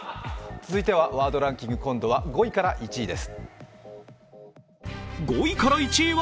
続いてはワードランキング５位から１位です。